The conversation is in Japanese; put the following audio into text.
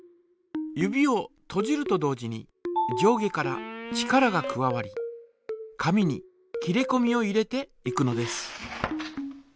指をとじると同時に上下から力が加わり紙に切りこみを入れていくのです。